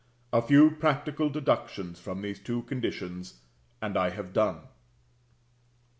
A few practical deductions from these two conditions, and I have done. X.